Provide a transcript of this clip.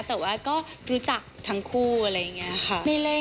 แต่ว่าก็รู้จักทั้งคู่อะไรอย่างนี้ค่ะ